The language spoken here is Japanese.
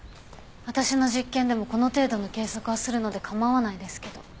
私の実験でもこの程度の計測はするので構わないですけど。